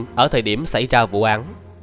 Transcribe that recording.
tiếp xúc với dương ở thời điểm xảy ra vụ án